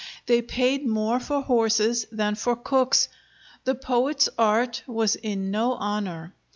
They paid more for horses than for cooks. The poet's art was in no honor.